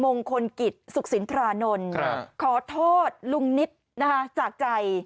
มงคลกิจสุขสินทรานนท์ขอโทษลุงนิดนะคะจากใจ